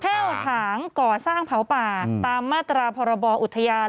้วถางก่อสร้างเผาป่าตามมาตราพรบอุทยาน